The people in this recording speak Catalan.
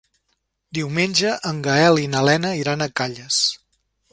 Diumenge en Gaël i na Lena iran a Calles.